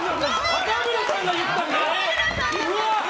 若村さんが言ったんだ！